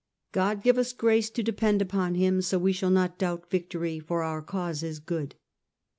God give us grace to depend upon Him, so we shall not doubt victory, for our cause is good."